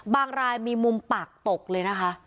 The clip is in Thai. รายมีมุมปากตกเลยนะคะ